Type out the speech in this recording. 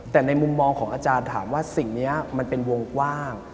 แต่ในมุมมองของอาจารย์ถามว่าสิ่งนี้มันเป็นวงกว้าง